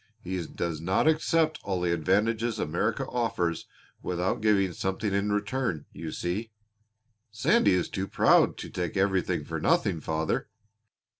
He does not accept all the advantages America offers without giving something in return, you see." "Sandy is too proud to take everything for nothing, father."